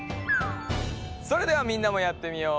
それではみんなもやってみよう！